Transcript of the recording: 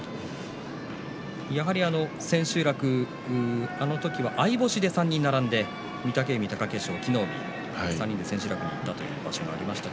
千秋楽、あの時は相星で３人並んで御嶽海、貴景勝、隠岐の海３人で千秋楽にいったという場所がありました。